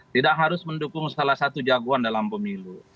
tidak harus mendukung salah satu jagoan dalam pemilu